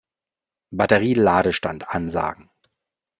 Batterie-Ladestand ansagen.